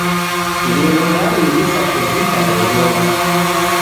Ngelo ralighisa kuvika reghenda.